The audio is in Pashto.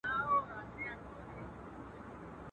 o د غلو وروري خوږه ده، خو پر وېش باندې جگړه ده.